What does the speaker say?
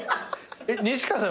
西川さん